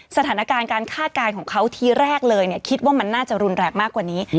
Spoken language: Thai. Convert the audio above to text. สถานการณ์การคาดการณ์ของเขาทีแรกเลยคิดว่ามันน่าจะรุนแรงมากกว่านี้